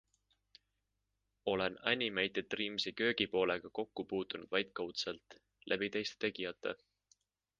Olen Animated Dreamsi köögipoolega kokku puutunud vaid kaudselt, läbi teiste tegijate.